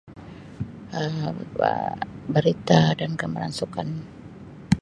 Um berita dan [unintelligible] sukan.